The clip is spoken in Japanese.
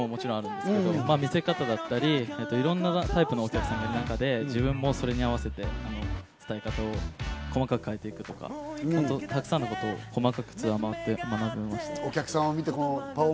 慣れっていうのもあるんですけど、見せ方だったり、いろんなタイプのお客さんがいる中で自分たちもそれに合わせて使い方を細かく変えていくとか、細かいことはツアーを回って、変わりました。